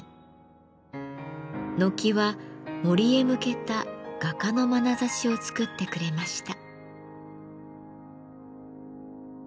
軒は森へ向けた画家のまなざしを作ってくれました。